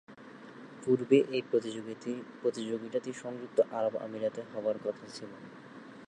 পূর্বে এ প্রতিযোগিতাটি সংযুক্ত আরব আমিরাতে হবার কথা ছিল।